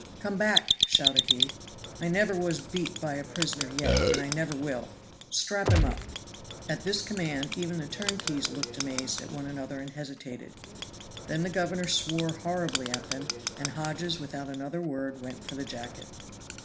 "Come back!" shouted he. "I never was beat by a prisoner yet, and I never will. Strap him up." At this command even the turnkeys looked amazed at one another and hesitated. Then the governor swore horribly at them, and Hodges without another word went for the jacket.